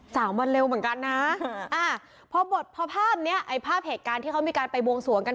สาวมันเร็วเหมือนกันนะอ่าพอบทพอภาพเนี้ยไอ้ภาพเหตุการณ์ที่เขามีการไปบวงสวงกัน